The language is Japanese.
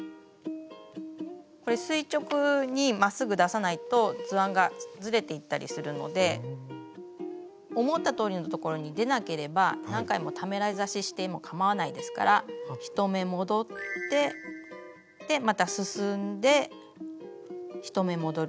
これ垂直にまっすぐ出さないと図案がずれていったりするので思ったとおりのところに出なければ何回もためらい刺ししてもかまわないですから１目戻ってまた進んで１目戻る。